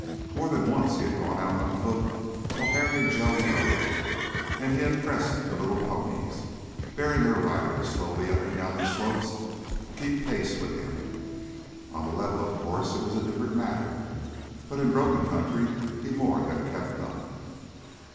More than once he had gone out on foot, while Harry and Joe rode, and he had pressed the little ponies, bearing their riders slowly up and down the slopes, to keep pace with him. On the level, of course, it was a different matter, but in broken country he more than kept up.